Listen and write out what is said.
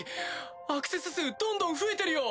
アクセス数どんどん増えてるよ！